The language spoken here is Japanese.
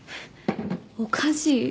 おかしい。